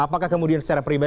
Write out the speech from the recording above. apakah kemudian secara pribadi